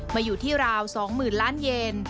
มาอยู่ที่ราว๒๐๐๐ล้านเยน